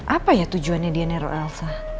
apa ya tujuannya dia nero elsa